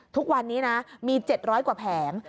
ทุกวันนี้นะมี๗๐๐กว่าแผง